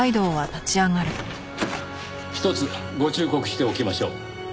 ひとつご忠告しておきましょう。